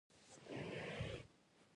سيورى دي د بل ورک شي، آن که د هما هم وي